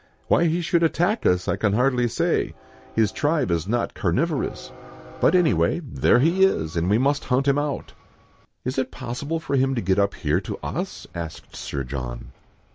" Why he should attack us, I can hardly say ; his tribe is not carnivorous : but any way, there he is, and we must hunt him out." " Is it possible for him to get up here to us ?" asked Sir John.